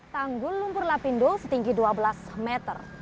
tanggul lumpur lapindo setinggi dua belas meter